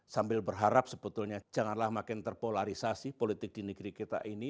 sambil berharap sebetulnya janganlah makin terpolarisasi politik di negeri kita ini